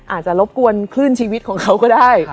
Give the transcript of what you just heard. อาจจะรบกวนคลื่นชีวิตของเขาก็ได้